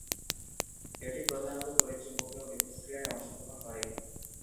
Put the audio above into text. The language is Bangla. এটি প্রধানত তড়িৎ-চুম্বকীয় মিথষ্ক্রিয়ায় অংশগ্রহণ করে।